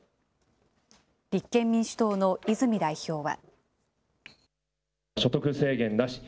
立憲民主党の泉代表は。